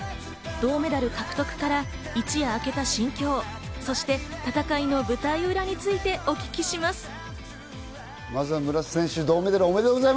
銅メダル獲得から一夜明けた心境、そして戦いの舞台裏についてお聞きします。